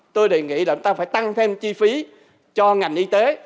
tôi đề nghị là chúng ta phải tăng thêm chi phí cho ngành y tế